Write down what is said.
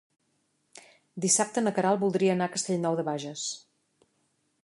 Dissabte na Queralt voldria anar a Castellnou de Bages.